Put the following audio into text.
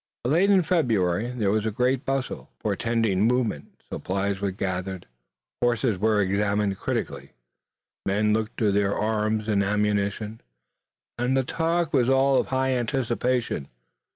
But late in February there was a great bustle, portending movement. Supplies were gathered, horses were examined critically, men looked to their arms and ammunition, and the talk was all of high anticipation.